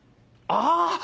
あ！